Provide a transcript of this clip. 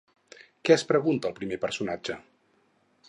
Què es pregunta el primer personatge?